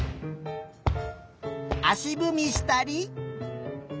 あしぶみしたり。